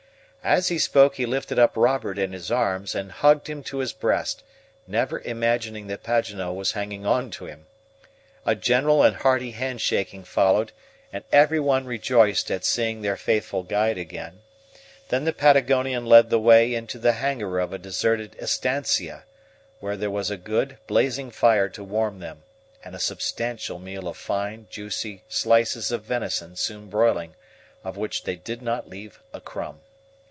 As he spoke he lifted up Robert in his arms, and hugged him to his breast, never imagining that Paganel was hanging on to him. A general and hearty hand shaking followed, and everyone rejoiced at seeing their faithful guide again. Then the Patagonian led the way into the HANGAR of a deserted ESTANCIA, where there was a good, blazing fire to warm them, and a substantial meal of fine, juicy slices of venison soon broiling, of which they did not leave a crumb.